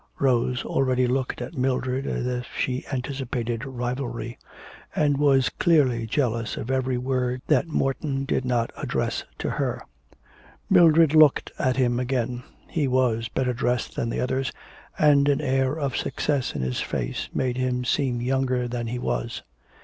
Rose already looked at Mildred as if she anticipated rivalry, and was clearly jealous of every word that Morton did not address to her. Mildred looked at him again. He was better dressed than the others, and an air of success in his face made him seem younger than he was.